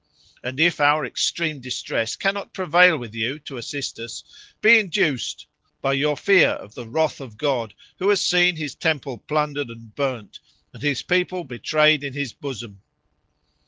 And if our extreme distress cannot prevail with you to assist us, be induced, by your fear of the wrath of God, who has seen his temple plundered and burned, and his people betrayed in his bosom."